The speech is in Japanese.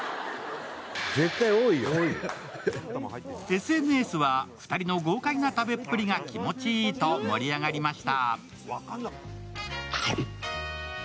ＳＮＳは２人の豪快な食べっぷりが気持ちいいと盛り上がりました。